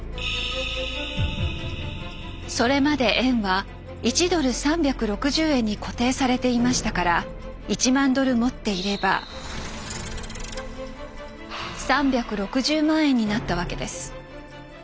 それまで円は１ドル３６０円に固定されていましたから１万ドル持っていれば３６０万円になったわけです。